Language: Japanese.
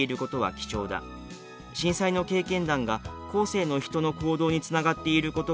震災の経験談が後世の人の行動につながっていることがよく分かった」。